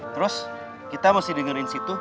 terus kita masih dengerin situ